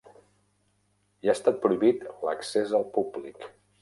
Hi està prohibit l'accés al públic.